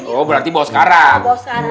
oh berarti bawa sekarang